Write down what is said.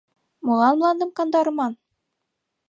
Молан мландым кандарыман?